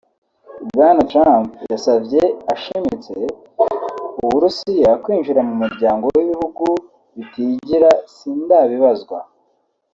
Bwana Trump yasavye ashimitse Uburusiya "kwinjira mu muryango w'ibihugu bitigira sindabibazwa"